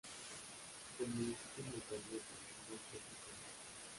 El municipio es montañoso con una estrecha playa.